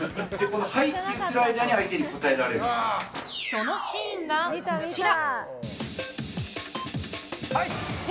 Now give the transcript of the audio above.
そのシーンが、こちら。